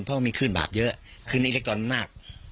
เพราะว่ามีขึ้นบาปเยอะขึ้นอิเล็กตรอนมาก